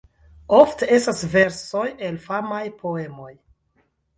Ofte estas versoj el famaj poemoj.